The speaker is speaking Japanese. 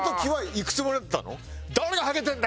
「誰がハゲてんだよ！」